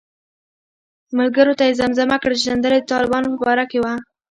ملګرو ته یې زمزمه کړه چې سندره د طالبانو په باره کې وه.